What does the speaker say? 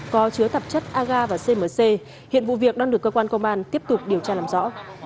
có chứa tạp chất aga và cmc hiện vụ việc đang được cơ quan công an tiếp tục điều tra làm rõ